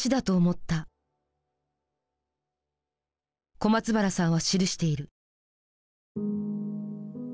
小松原さんは記している。